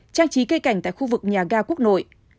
trang trí cây cảnh tại khu vực nhà ga quốc nội